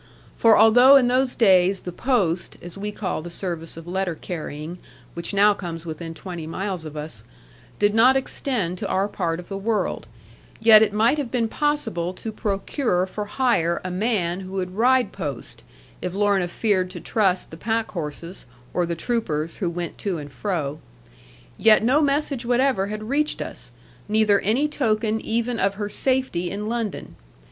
For although in those days the post (as we call the service of letter carrying, which now comes within twenty miles of us) did not extend to our part of the world, yet it might have been possible to procure for hire a man who would ride post, if Lorna feared to trust the pack horses, or the troopers, who went to and fro. Yet no message whatever had reached us; neither any token even of her safety in London.